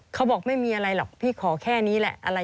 เขาบอกไม่มีอะไรหรอกพี่ขอแค่นี้แหละอะไร